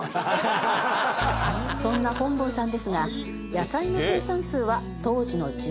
そんな本坊さんですが野菜の生産数は当時の１０倍。